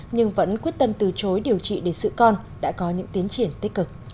nhưng vẫn quyết tâm từ chối điều trị để giữ con đã có những tiến triển tích cực